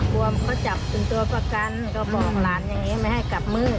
กลัวเขาจับเป็นตัวประกันก็บอกหลานอย่างนี้ไม่ให้กลับมือ